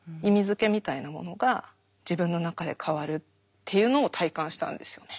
づけみたいなものが自分の中で変わるっていうのを体感したんですよね。